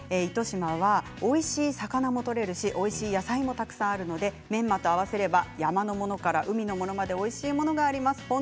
糸島はおいしい魚もおいしい野菜もたくさんあるのでメンマと合わせると山のものから海のものまでおいしいものがあります。